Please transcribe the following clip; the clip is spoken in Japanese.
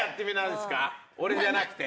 俺じゃなくて。